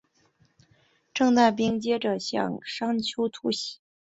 掷弹兵接着向山丘突袭。